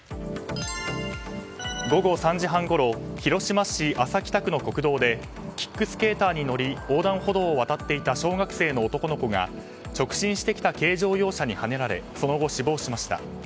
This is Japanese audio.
午後３時半ごろ広島市安佐北区の国道でキックスケーターに乗り横断歩道を渡っていた小学生の男の子が直進してきた軽乗用車にはねられその後、死亡しました。